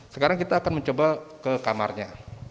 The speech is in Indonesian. sekarang kita akan mencoba ke kamarnya